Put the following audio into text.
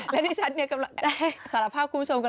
แล้วก็กำลังจะแอบ